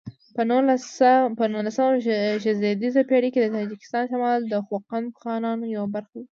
په نولسمه زېږدیزه پیړۍ کې د تاجکستان شمال د خوقند خانانو یوه برخه و.